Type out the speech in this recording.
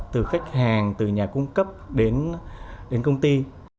từ khách hàng từ nhà cung cấp đến công ty